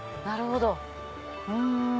なるほど。